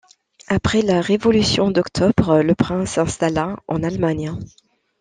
Après la Révolution d'Octobre, le prince s'installa en Allemagne.